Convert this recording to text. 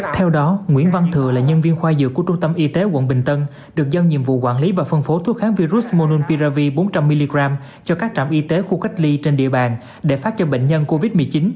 theo đó nguyễn văn thừa là nhân viên khoa dược của trung tâm y tế quận bình tân được giao nhiệm vụ quản lý và phân phối thuốc kháng virus monun piravi bốn trăm linh mg cho các trạm y tế khu cách ly trên địa bàn để phát cho bệnh nhân covid một mươi chín